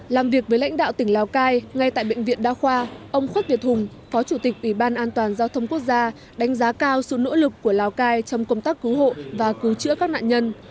làm việc với lãnh đạo tỉnh lào cai ngay tại bệnh viện đa khoa ông khuất việt hùng phó chủ tịch ủy ban an toàn giao thông quốc gia đánh giá cao sự nỗ lực của lào cai trong công tác cứu hộ và cứu chữa các nạn nhân